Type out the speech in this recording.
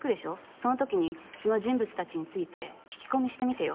そのときにその人物たちについて聞き込みしてみてよ。